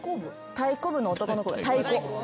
太鼓部の男の子が太鼓。